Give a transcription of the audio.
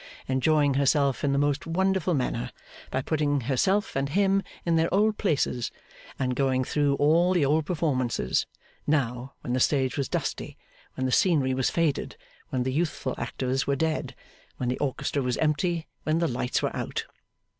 enjoying herself in the most wonderful manner, by putting herself and him in their old places, and going through all the old performances now, when the stage was dusty, when the scenery was faded, when the youthful actors were dead, when the orchestra was empty, when the lights were out.